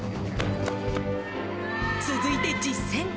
続いて実践。